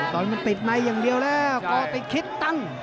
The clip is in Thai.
ตอนมันติดในอย่างเดียวแล้วก่อติดคิดตั้ง